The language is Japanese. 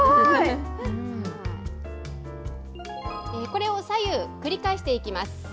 これを左右繰り返していきます。